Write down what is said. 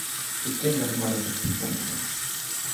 Ik tink dat ik mar ris op hús oan gean.